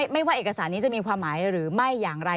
ว่าเอกสารนี้จะมีความหมายหรือไม่อย่างไร